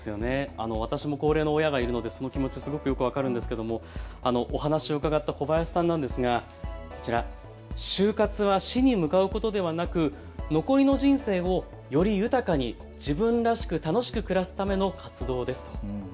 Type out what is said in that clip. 私も高齢の親がいるのでその気持ち、とてもよく分かるのですが、お話を伺った小林さんなんですが、こちら、終活は死に向かっていくことではなく残りの人生をより豊かに、自分らしく楽しく暮らすための活動ですと。